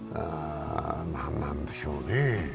何なんでしょうね。